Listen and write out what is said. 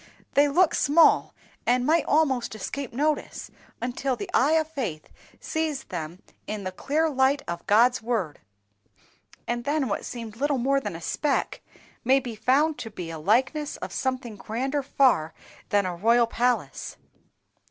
"They look small, and might almost escape notice, until the eye of faith sees them in the clear light of God's Word, and then what seemed little more than a speck, may be found to be a likeness of something grander far than a royal palace."